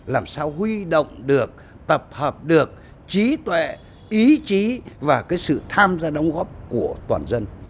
làm sao huy động được tập hợp được trí tuệ ý chí và cái sự tham gia đóng góp của toàn dân